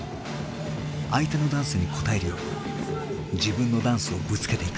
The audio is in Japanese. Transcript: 相手のダンスに応えるように自分のダンスをぶつけていく。